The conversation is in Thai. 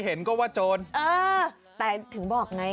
สามารถได้เกือบอายนาย